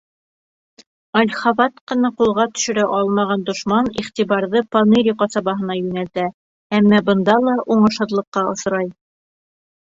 Ольховатканы ҡулға төшөрә алмаған дошман иғтибарҙы Поныри ҡасабаһына йүнәлтә, әммә бында ла уңышһыҙлыҡҡа осрай.